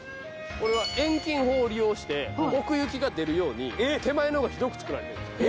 遠近法を利用して奥行きが出るように手前の方が広くつくられてる。